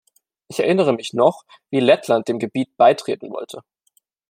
Ich erinnere mich noch, wie Lettland dem Gebiet beitreten wollte.